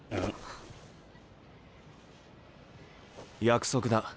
約束だ。